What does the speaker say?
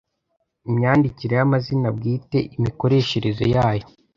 Imyandikire y’amazina bwite imikoreshereze yayo